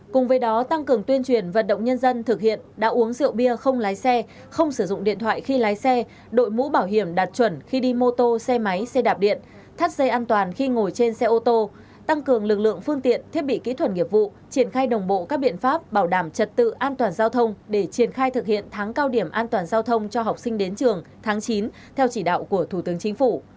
cùng với đó tăng cường tuyên truyền vận động nhân dân thực hiện đã uống rượu bia không lái xe không sử dụng điện thoại khi lái xe đội mũ bảo hiểm đặt chuẩn khi đi mô tô xe máy xe đạp điện thắt dây an toàn khi ngồi trên xe ô tô tăng cường lực lượng phương tiện thiết bị kỹ thuật nghiệp vụ triển khai đồng bộ các biện pháp bảo đảm trật tự an toàn giao thông để triển khai thực hiện tháng cao điểm an toàn giao thông cho học sinh đến trường tháng chín theo chỉ đạo của thủ tướng chính phủ